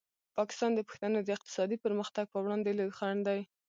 پاکستان د پښتنو د اقتصادي پرمختګ په وړاندې لوی خنډ دی.